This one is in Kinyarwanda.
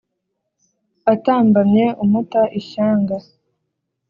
atambamye umuta ishyanga